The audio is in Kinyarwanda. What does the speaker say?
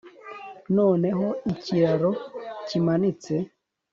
Noneho ikiraro kimanitse